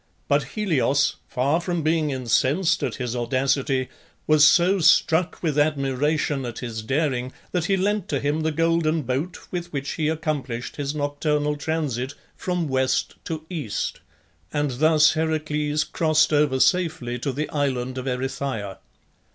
But Helios, far from being incensed at his audacity, was so struck with admiration at his daring that he lent to him the golden boat with which he accomplished his nocturnal transit from West to East, and thus Heracles crossed over safely to the island of Erythia.